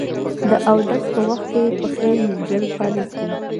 د اودس په وخت کې پښې مینځل فرض دي.